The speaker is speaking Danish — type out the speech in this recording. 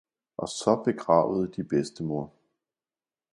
og så begravede de bedstemoder.